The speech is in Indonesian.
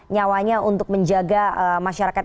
nyawanya untuk menjaga masyarakat